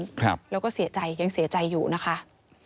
ครับแล้วก็เสียใจยังเสียใจอยู่นะคะ